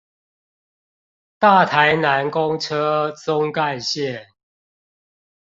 大台南公車棕幹線